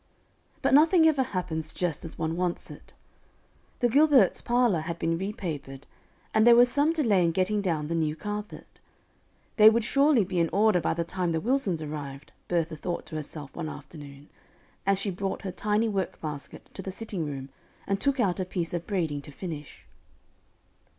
But nothing ever happens just as one wants it. The Gilberts' parlor had been repapered, and there was some delay in getting down the new carpet. They would surely be in order by the time the Wilsons arrived, Bertha thought to herself one afternoon, as she brought her tiny workbasket to the sitting room and took out a piece of braiding to finish.